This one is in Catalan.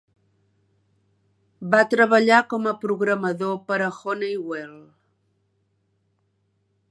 Va treballar com a programador per a Honeywell.